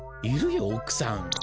いるよおくさん。